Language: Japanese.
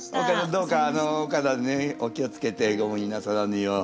どうかお体にお気をつけてご無理なさらぬよう。